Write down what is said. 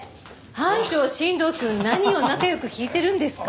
班長新藤くん何を仲良く聞いてるんですか？